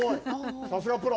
さすがプロ！